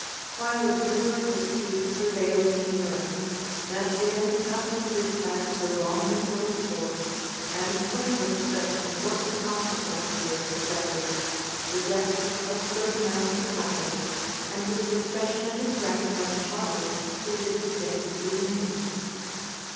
* Guicciard. lib. xii. {1516.} While a universal peace prevailed in Europe, that event happened which had so long been looked for, and from which such important consequences were expected the death of Ferdinand the Catholic, and the succession of his grandson Charles to his extensive dominions.